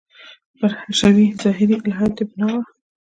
پر حشوي – ظاهري الهیاتو بنا و.